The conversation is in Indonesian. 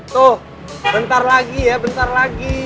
tuh bentar lagi ya bentar lagi